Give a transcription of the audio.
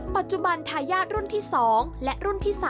ปัจจุบันทายาทรุ่นที่๒และรุ่นที่๓